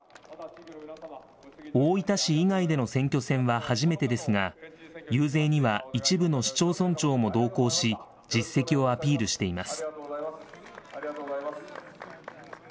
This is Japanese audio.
大分市以外での選挙戦は初めてですが、遊説には一部の市町村長も同行し、実績をアピールしています。